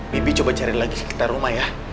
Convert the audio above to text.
bibi coba cari lagi sekitar rumah ya